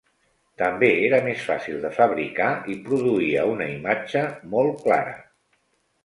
També era més fàcil de fabricar i produïa una imatge molt clara.